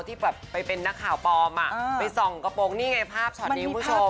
ที่แบบไปเป็นนักข่าวปลอมไปส่องกระโปรงนี่ไงภาพช็อตนี้คุณผู้ชม